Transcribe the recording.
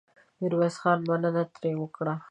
ميرويس خان مننه ترې وکړه.